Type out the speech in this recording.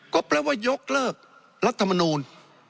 ก็แปลว่ายกเลิกรัฐมนูล